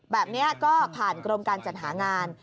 แบบนี้ก็ผ่านกรมการจัดหางาน